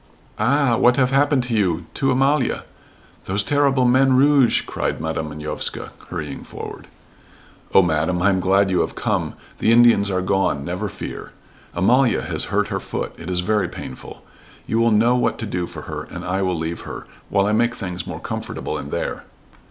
"Ah, what have happen, to you to Amalia ? Those terrible men 'rouge'!" cried Madam Manovska, hurrying forward. "Oh, Madam, I am glad you have come. The Indians are gone, never fear. Amalia has hurt her foot. It is very painful. You will know what to do for her, and I will leave her while I make things more comfortable in there."